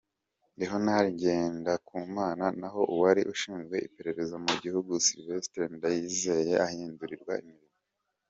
Leonard Ngendakumana, naho uwari ushinzwe iperereza mu gihugu Sylvestre Ndayizeye ahindurirwa imirimo.